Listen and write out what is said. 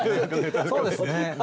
そうですね。